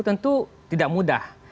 tentu tidak mudah